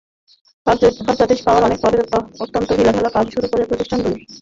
কার্যাদেশ পাওয়ার অনেক পরে অত্যন্ত ঢিলেঢালাভাবে কাজ শুরু করে প্রতিষ্ঠান দুটি।